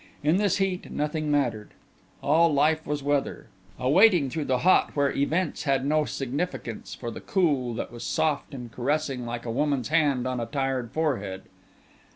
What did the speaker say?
In this heat nothing mattered. All life was weather, a waiting through the hot where events had no significance for the cool that was soft and caressing like a woman's hand on a tired forehead.